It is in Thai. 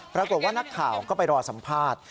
ปรากฏว่านักข่าวก็ไปรอสัมภาษณ์